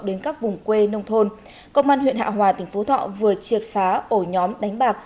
đến các vùng quê nông thôn công an huyện hạ hòa tỉnh phú thọ vừa triệt phá ổ nhóm đánh bạc